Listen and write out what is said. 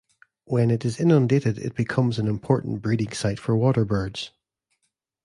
When it is inundated it becomes an important breeding site for waterbirds.